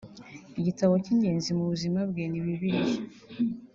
Igitabo cy’ingenzi mu buzima bwe ni Bibiliya